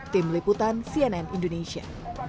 tim liputan cnn indonesia